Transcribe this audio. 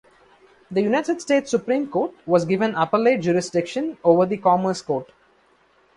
The United States Supreme Court was given appellate jurisdiction over the Commerce Court.